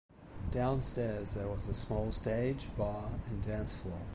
Downstairs there was a small stage, bar and dance floor.